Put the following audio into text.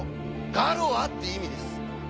「ガロア」っていう意味です。